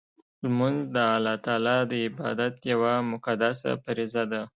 لمونځ د الله تعالی د عبادت یوه مقدسه فریضه ده.